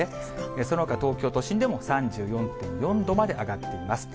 そのほか、東京都心でも３４．４度まで上がっています。